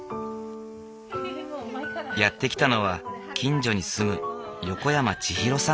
やって来たのは近所に住む横山ちひろさん